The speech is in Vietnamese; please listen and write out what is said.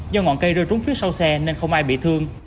do ngọn cây rơi trúng phía sau xe nên không ai bị thương